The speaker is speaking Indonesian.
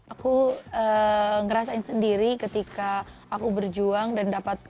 aku ngerasain sendiri ketika aku berjuang dan dapat